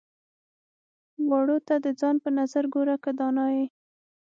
واړو ته د ځان په نظر ګوره که دانا يې.